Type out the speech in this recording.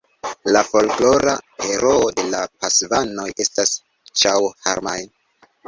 La folklora heroo de la Pasvanoj estas Ĉaŭharmal.